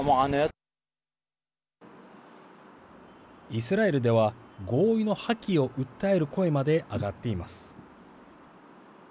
イスラエルでは合意の破棄を訴える声まで上がっています。